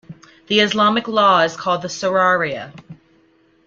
The Islamic law is called shariah.